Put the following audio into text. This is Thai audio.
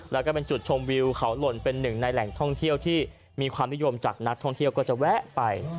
แล้วก็เป็นจุดชมวิวเขาหล่นเป็นหนึ่งในแหล่งท่องเที่ยวที่มีความนิยมจากนักท่องเที่ยวก็จะแวะไป